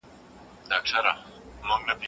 خپل حقونه وپېژنئ او د هغو لپاره سياسي مبارزه وکړئ.